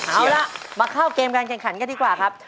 เอาล่ะมาเข้าเกมการแข่งขันกันดีกว่าครับ